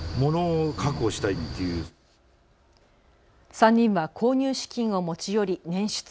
３人は購入資金を持ち寄り捻出。